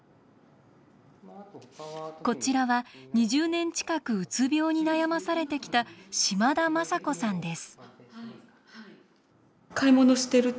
こちらは２０年近くうつ病に悩まされてきた島田昌子さんです。